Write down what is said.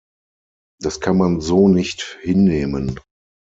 Das kann man so nicht hinnehmen.